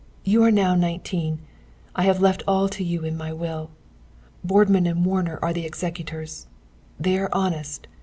You are now nineteen. I have left all to you, in my will. Boardman and Warner are the executors. They are honest.